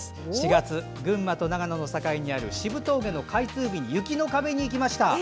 ４月、群馬と長野の境にある渋峠の開通日に雪の壁に行きました。